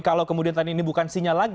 kalau kemudian tadi ini bukan sinyal lagi